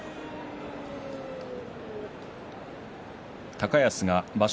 高安が場所